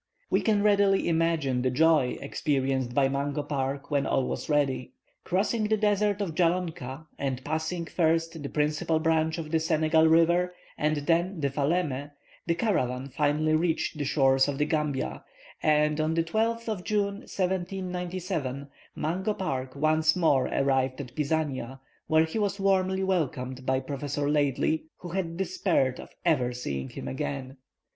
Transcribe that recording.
We can readily imagine the joy experienced by Mungo Park when all was ready. Crossing the desert of Jallonka, and passing first the principal branch of the Senegal river, and then the Falemé, the caravan finally reached the shores of the Gambia, and on the 12th of June, 1797, Mungo Park once more arrived at Pisania, where he was warmly welcomed by Dr. Laidley, who had despaired of ever seeing him again.